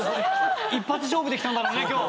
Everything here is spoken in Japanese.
一発勝負で来たんだろうね今日。